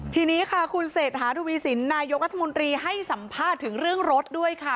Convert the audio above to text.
ทีนี้ค่ะคุณเศรษฐาทวีสินนายกรัฐมนตรีให้สัมภาษณ์ถึงเรื่องรถด้วยค่ะ